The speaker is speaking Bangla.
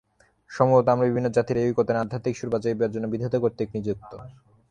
সম্ভবত আমরা বিভিন্ন জাতির এই ঐক্যতানে আধ্যাত্মিক সুর বাজাইবার জন্য বিধাতা কর্তৃক নিযুক্ত।